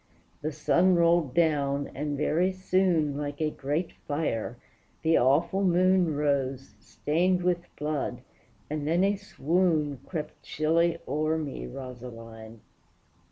The sun rolled down, and very soon, Like a great fire, the awful moon Rose, stained with blood, and then a swoon Crept chilly o'er me, Rosaline!